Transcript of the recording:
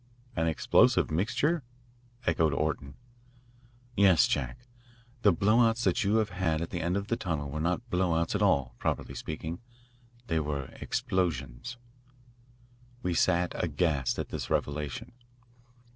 "An explosive mixture?" echoed Orton. "Yes, Jack, the blow outs that you have had at the end of the tunnel were not blow outs at all, properly speaking. They were explosions." We sat aghast at this revelation.